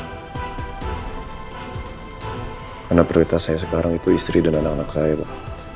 karena prioritas saya sekarang itu istri dan anak anak saya pak